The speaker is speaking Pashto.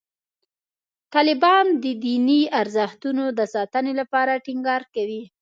طالبان د دیني ارزښتونو د ساتنې لپاره ټینګار کوي.